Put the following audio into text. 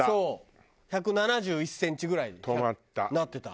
１７１センチぐらいになってた。